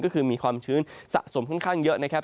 ก็คือมีความชื้นสะสมค่อนข้างเยอะนะครับ